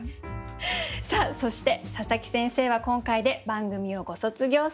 さあそして佐佐木先生は今回で番組をご卒業されます。